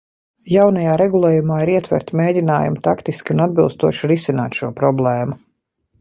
Jaunajā regulējumā ir ietverti mēģinājumi taktiski un atbilstoši risināt šo problēmu.